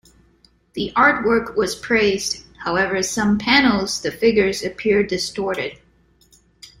The artwork was praised however "some panels the figures appear distorted".